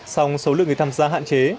xong số lượng người thăm gia hạn chế